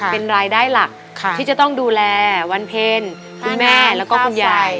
เป็นรายได้หลักที่จะต้องดูแลวันเพ็ญคุณแม่แล้วก็คุณยาย